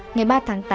ngày ba tháng tám